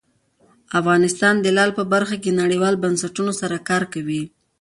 افغانستان د لعل په برخه کې نړیوالو بنسټونو سره کار کوي.